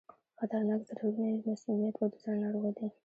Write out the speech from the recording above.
خطرناک ضررونه یې مسمومیت او د زړه ناروغي دي.